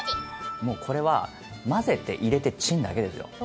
もうこれは混ぜて入れてチンだけですよ。